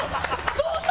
どうした？